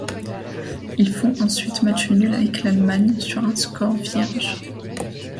Ils font ensuite match nul avec l'Allemagne sur un score vierge.